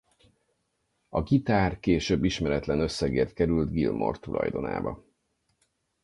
A gitár később ismeretlen összegért került Gilmour tulajdonába.